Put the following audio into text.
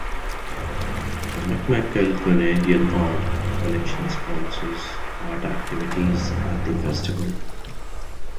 The McMichael Canadian Art Collection sponsors art activities at the festival.